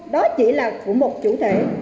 đó chỉ là của một chủ thể